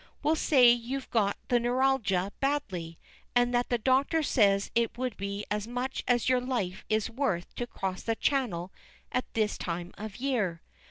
"We'll say you've got the neuralgia badly, and that the doctor says it would be as much as your life Is worth to cross the Channel at this time of year."